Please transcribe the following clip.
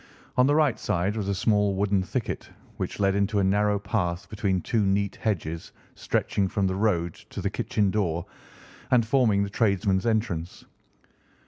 On the right side was a small wooden thicket, which led into a narrow path between two neat hedges stretching from the road to the kitchen door, and forming the tradesmen's entrance.